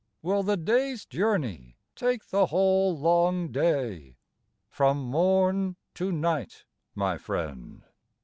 Will the day's journey take the whole long day? From morn to night, my friend.